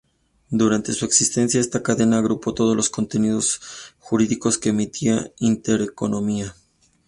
Durante su existencia, esta cadena agrupó todos los contenidos jurídicos que emitía Intereconomía.